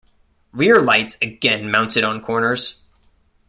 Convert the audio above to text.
Rear lights again mounted on corners.